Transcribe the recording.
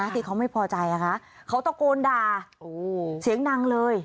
ที่เขาไม่พอใจเขาตะโกนด่าเสียงดังเลย